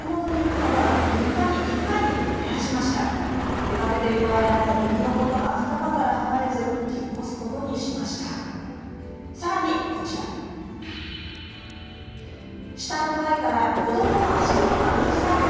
出かけている間も犬のことが頭から離れず引っ越すことにしたということです。